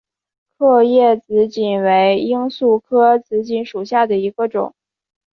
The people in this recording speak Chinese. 刻叶紫堇为罂粟科紫堇属下的一个种。